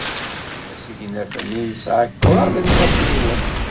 Asegnaf-nni yesɛa kraḍ n wafriwen.